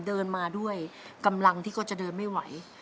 เดินมาด้วยกำลังที่ก็จะเดินไม่ไหว